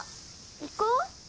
行こう！